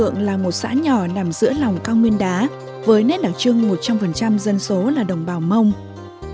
các bạn hãy đăng ký kênh để ủng hộ kênh của chúng mình nhé